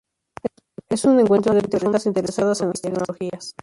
es un encuentro de personas interesadas en las tecnologías